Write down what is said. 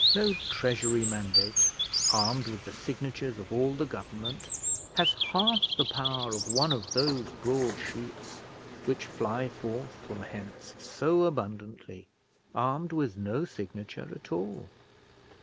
No treasury mandate armed with the signatures of all the government has half the power of one of those broad sheets, which fly forth from hence so abundantly, armed with no signature at all.